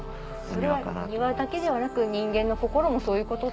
それは庭だけではなく人間の心もそういうこと？